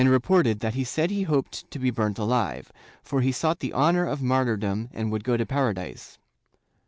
I] PBOSELYTISM 296 reported that he said he hoped to be burnt alive, for he sought the honor of martyrdom and would go to paradise.